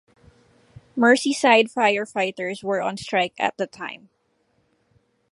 Merseyside firefighters were on strike at the time.